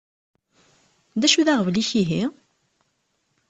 D acu d aɣbel-ik ihi?